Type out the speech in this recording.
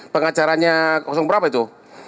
pengacaranya berapa itu